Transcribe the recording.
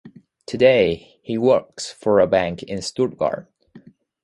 Today, he works for a bank in Stuttgart.